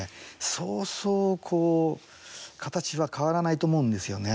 そうそう形は変わらないと思うんですよね。